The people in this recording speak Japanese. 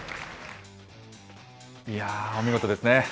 いやー、お見事ですね。